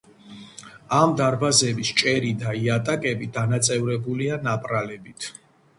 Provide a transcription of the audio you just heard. ამ დარბაზების ჭერი და იატაკები დანაწევრებულია ნაპრალებით.